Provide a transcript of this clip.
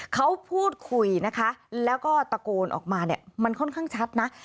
เขาพูดคุยนะคะแล้วก็ตะโกนออกมาเนี่ยมันค่อนข้างชัดนะ